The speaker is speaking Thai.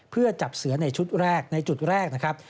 เพื่อจับเสือในชุดแรกในจุดแรกนะครับ